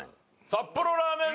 札幌ラーメン